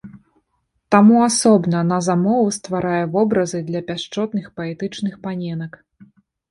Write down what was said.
Таму асобна на замову стварае вобразы для пяшчотных паэтычных паненак.